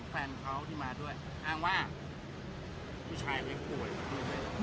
แต่เห็นแฟนเขาที่มาด้วยอ้างว่ามีชายไว้ป่วย